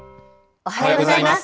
おはようございます。